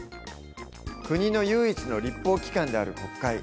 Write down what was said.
国の唯一の立法機関である国会。